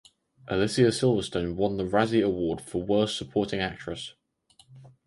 Alicia Silverstone won the Razzie Award for Worst Supporting Actress.